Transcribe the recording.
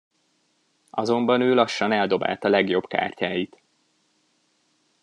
Azonban ő lassan eldobálta legjobb kártyáit.